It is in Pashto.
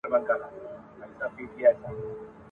یا د میني په امید یو تخنوي مو راته زړونه ..